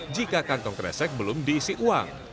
jika kantong kresek belum diisi uang